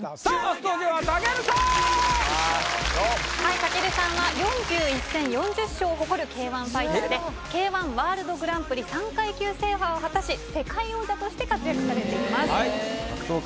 武尊さんは４１戦４０勝を誇るＫ−１ファイターでＫ−１ワールドグランプリ３階級制覇を果たし世界王者として活躍されています。